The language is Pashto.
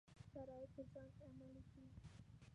شرایط په ځان عملي کړي.